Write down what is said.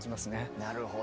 なるほど。